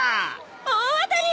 大当たり！